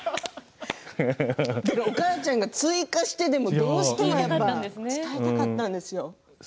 お母ちゃんが追加してでもどうしても伝えたかったんですよ。